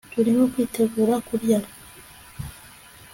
turimo kwitegura kurya